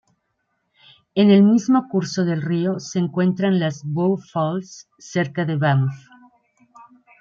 En el mismo curso del río se encuentran las Bow Falls, cerca de Banff.